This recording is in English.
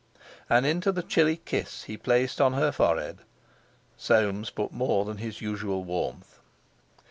And into the chilly kiss he placed on her forehead, Soames put more than his usual warmth.